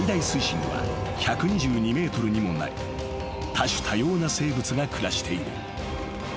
［多種多様な生物が暮らしている］